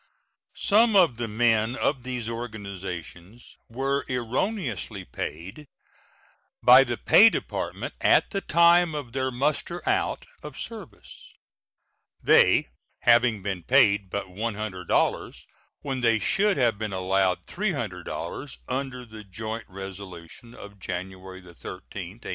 Some of the men of these organizations were erroneously paid by the Pay Department at the time of their muster out of service, they having been paid but $100, when they should have been allowed $300 under the joint resolution of January 13, 1864.